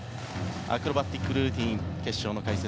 アクロバティックルーティン決勝の解説